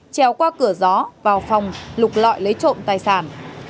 treo qua cửa gió vào phòng lục lọi lấy trộm tài sản